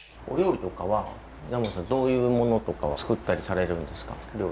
お料理とかは稲森さんどういうものとかを作ったりされるんですか？